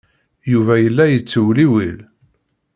Yuba yella yettewliwil.